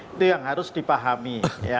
itu yang harus dipahami